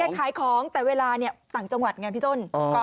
ขายของแต่เวลาต่างจังหวัดไงพี่ต้น